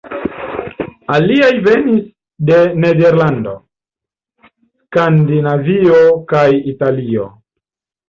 Aliaj venis de Nederlando, Skandinavio kaj Italio.